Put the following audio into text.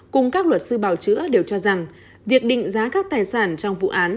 cùng các luật sư bảo chữa đều cho rằng việc định giá các tài sản trong vụ án